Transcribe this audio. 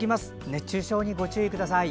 熱中症にご注意ください。